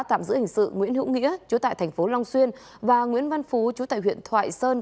tạm giữ hình sự nguyễn hữu nghĩa chú tại thành phố long xuyên và nguyễn văn phú chú tại huyện thoại sơn